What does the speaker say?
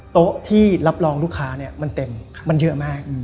โต๊ะที่รับรองลูกค้าเนี่ยมันเต็มมันเยอะมาก